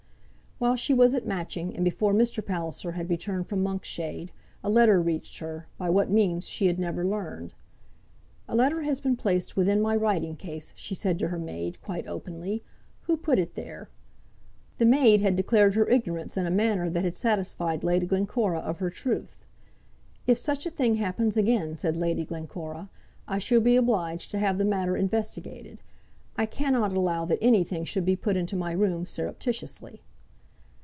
While she was at Matching, and before Mr. Palliser had returned from Monkshade, a letter reached her, by what means she had never learned. "A letter has been placed within my writing case," she said to her maid, quite openly. "Who put it there?" The maid had declared her ignorance in a manner that had satisfied Lady Glencora of her truth. "If such a thing happens again," said Lady Glencora, "I shall be obliged to have the matter investigated. I cannot allow that anything should be put into my room surreptitiously."